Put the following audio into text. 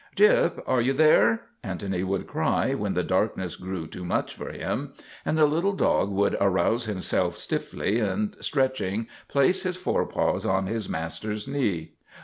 " Gyp, are you there ?'' Antony would cry when the darkness grew too much for him, and the little dog would arouse himself stiffly and, stretching, place his forepaws on his master's knee.